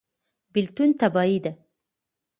بیلتون تباهي ده